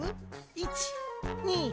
１２。